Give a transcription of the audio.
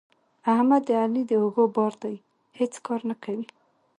احمد د علي د اوږو بار دی؛ هیڅ کار نه کوي.